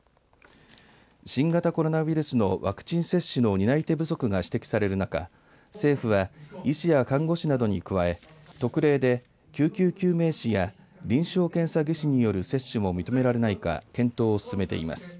新型コロナウイルスのワクチン接種の担い手不足が指摘される中政府は医師や看護師などに加え特例で救急救命士や臨床検査技師による接種を認められないか検討を進めています。